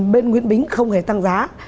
bên nguyễn bính không hề tăng giá